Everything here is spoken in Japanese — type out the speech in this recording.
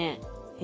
え。